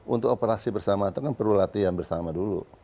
untuk operasi bersama itu kan perlu latihan bersama dulu